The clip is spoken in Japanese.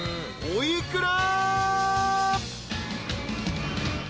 お幾ら？］